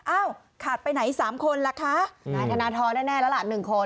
อ้าวขาดไปไหนสามคนล่ะคะอ่าธนทรได้แน่แล้วล่ะหนึ่งคน